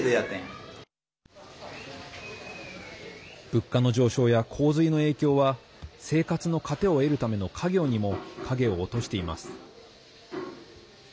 物価の上昇や、洪水の影響は生活の糧を得るための家業にも影を落としています。